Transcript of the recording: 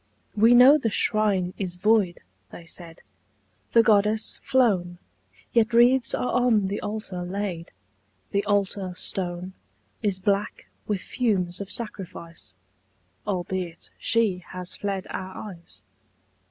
"We know the Shrine is void," they said, "The Goddess flown Yet wreaths are on the Altar laid The Altar Stone Is black with fumes of sacrifice, Albeit She has fled our eyes.